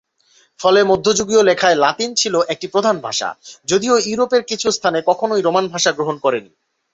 ফলে মধ্যযুগীয় লেখায় লাতিন ছিল একটি প্রধান ভাষা, যদিও ইউরোপের কিছু স্থানে কখনোই রোমান ভাষা গ্রহণ করে নি।